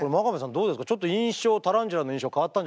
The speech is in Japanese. どうですか？